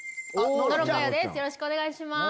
よろしくお願いします。